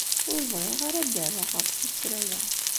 Ur bɣiɣ ara ad d-rreɣ ɣef tuttra-a.